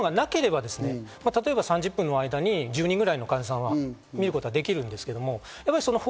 そういうのがなければ３０分の間に１０人ぐらいの患者さんを見ることができるんですけど。